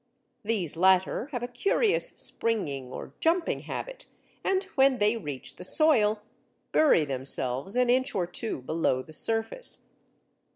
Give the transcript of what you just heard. These latter have a curious springing or jumping habit, and when they reach the soil bury themselves an inch or two below the surface.